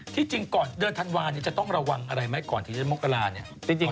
ที่จริงก่อนเดือนธันวาลจะต้องระวังอะไรไหมก่อนที่จะมกราเนี่ย